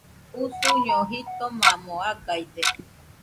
Usuño jitomamo agaide.